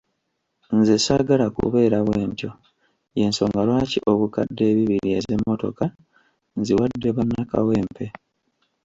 Nze saagala kubeera bwentyo y’ensonga lwaki obukadde ebibiri ez’emmotoka nziwadde bannakawempe.